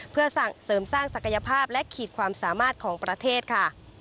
เพื่อเสริมสร้างศักยภาพและขีดความสามารถของประเทศค่ะ